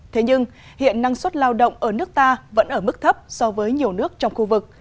thế nhưng hiện năng suất lao động ở nước ta vẫn ở mức thấp so với nhiều nước trong khu vực